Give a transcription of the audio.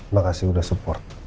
makasih udah support